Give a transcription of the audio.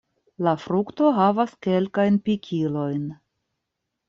La frukto havas kelkajn pikilojn.